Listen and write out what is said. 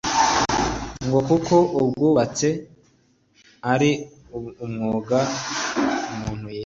ngo kuko ubwubatsi ari umwuga umuntu yiga